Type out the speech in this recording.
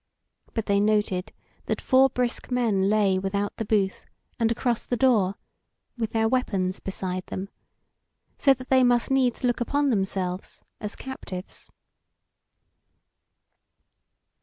But they noted that four brisk men lay without the booth, and across the door, with their weapons beside them, so that they must needs look upon themselves as captives.